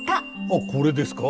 あっこれですか。